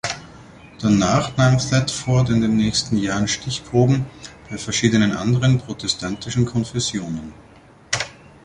Danach nahm Thetford in den nächsten Jahren Stichproben bei verschiedenen anderen protestantischen Konfessionen.